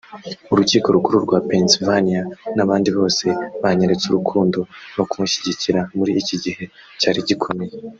Urukiko rukuru rwa Pennsylvania n’abandi bose banyeretse urukundo no kunshyigikira muri iki gihe cyari gikomeye